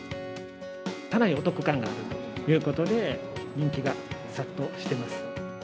かなりお得感があるということで、人気が殺到しています。